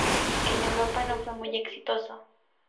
En Europa no fue muy exitoso.